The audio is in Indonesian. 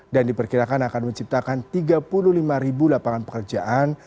dan diperkirakan akan menciptakan tiga puluh lima ribu lapangan pekerjaan